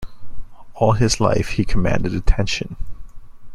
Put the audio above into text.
All his life he commanded attention.